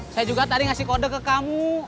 saya juga tadi ngasih kode ke kamu